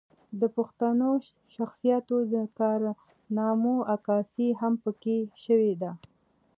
د پښتنو شخصياتو د کارنامو عکاسي هم پکښې شوې ده